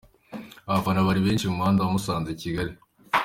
Abafana bari benshi mu muhanda wa Musanze-Kigali.